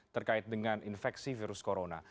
terkait dengan infeksi virus corona